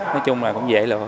nói chung là cũng dễ lựa